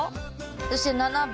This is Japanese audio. そして７番。